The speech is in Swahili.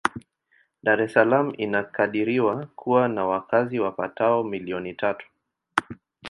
Dar es Salaam inakadiriwa kuwa na wakazi wapatao milioni tatu.